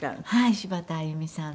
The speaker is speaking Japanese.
柴田あゆみさん。